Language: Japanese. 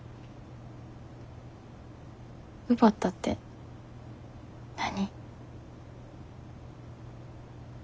奪ったって何？